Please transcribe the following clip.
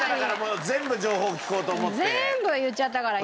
全部を言っちゃったから今。